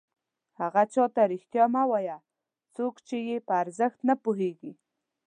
هغه چاته رښتیا مه وایه څوک چې یې په ارزښت نه پوهېږي.